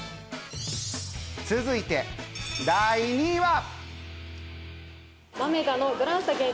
続いて第２位は。